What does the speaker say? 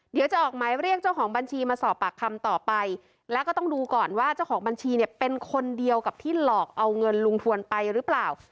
เดี๋ยวจะออกหมายเรียกเจ้าของบัญชีมาสอบปากคำต่อไปแล้วก็ต้องดูก่อนว่าเจ้าของบัญชีเนี่ยเป็นคนเดียวกับที่หลอกเอาเงินลุงทวนไปหรือเปล่า